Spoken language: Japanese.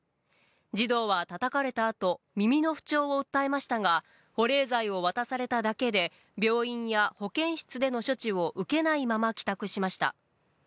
児童はたたかれたあと、耳の不調を訴えましたが、保冷剤を渡されただけで、病院や保健室での処置を受けないまま帰宅しました。